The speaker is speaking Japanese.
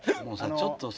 ちょっとさ